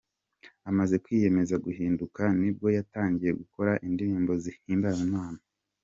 Amaze kwiyemeza guhinduka ni bwo yatangiye gukora indirimbo zihimbaza Imana.